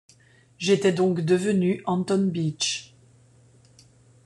J'étais donc devenu Anton Beach.